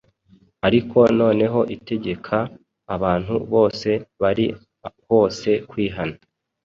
ariko noneho itegeka abantu bose bari hose kwihana.